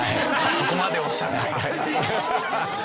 そこまでおっしゃるなら。